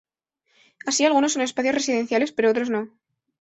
Así, algunos son espacios residenciales pero otros no.